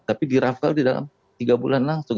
tapi dirafal di dalam tiga bulan langsung